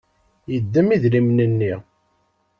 Yeddem idrimen-nni.